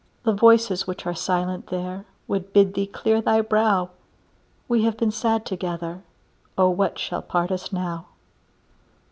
The voices which are silent there Would bid thee clear thy brow; We have been sad together. Oh, what shall part us now?